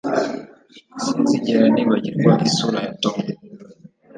Sinzigera nibagirwa isura ya Tom